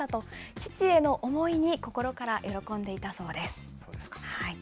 父への思いに、心から喜んでいたそうですか。